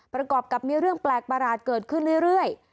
ประกอบกับมีเรื่องแปลกประหลาดเกิดขึ้นเรื่อย